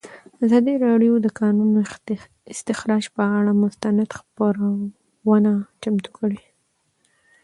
ازادي راډیو د د کانونو استخراج پر اړه مستند خپرونه چمتو کړې.